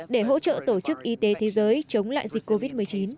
để hỗ trợ tổ chức y tế thế giới chống lại dịch covid một mươi chín